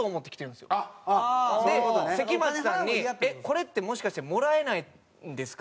で関町さんに「えっこれってもしかしてもらえないんですか？」